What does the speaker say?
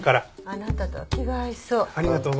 あなたとは気が合いそう。